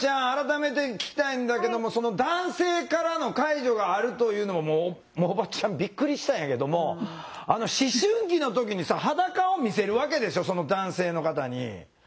改めて聞きたいんだけども男性からの介助があるというのももうおばちゃんびっくりしたんやけども思春期の時にさ裸を見せるわけでしょその男性の方に。